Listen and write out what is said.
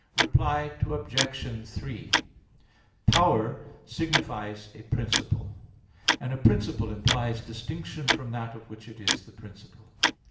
Reply Obj. 3: Power signifies a principle: and a principle implies distinction from that of which it is the principle.